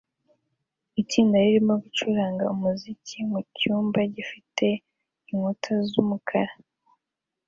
Itsinda ririmo gucuranga umuziki mucyumba gifite inkuta z'umukara